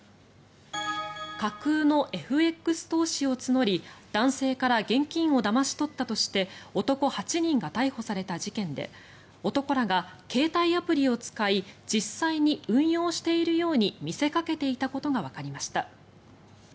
架空のＦＸ投資を募り男性から現金をだまし取ったとして男８人が逮捕された事件で男らが携帯アプリを使い実際に運用しているように見せかけていたことがわかりました。